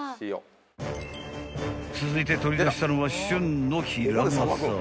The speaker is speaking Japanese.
［続いて取り出したのは］